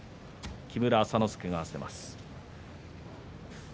木村朝之助が合わせます。